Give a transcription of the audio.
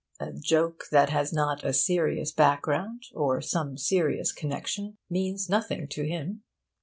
A joke that has not a serious background, or some serious connexion, means nothing to him.